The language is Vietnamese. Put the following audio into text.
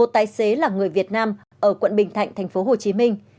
một tài xế là người việt nam ở quận bình thạnh tp hcm